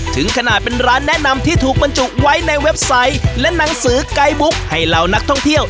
ถึงขนาดเป็นร้านแนะนำที่ถูกบรรจุไว้ในเว็บไซต์และหนังสือไกด์บุ๊กให้เหล่านักท่องเที่ยว